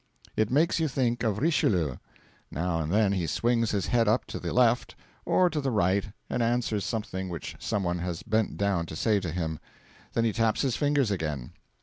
It makes you think of Richelieu. Now and then he swings his head up to the left or to the right and answers something which some one has bent down to say to him. Then he taps his fingers again.